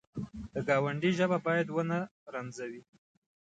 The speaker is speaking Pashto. د ګاونډي ژبه باید ونه رنځوي